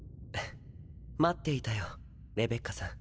待っていたよレベッカさん。